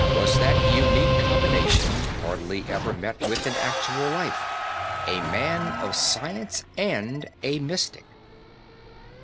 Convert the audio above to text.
was that unique combination hardly ever met with in actual life, a man of science and a mystic.